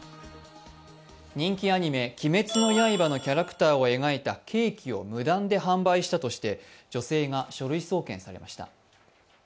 人気アニメ「鬼滅の刃」のキャラクターを描いたケーキを無断で販売したとして女性が書類送検されました。